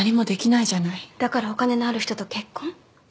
だからお金のある人と結婚？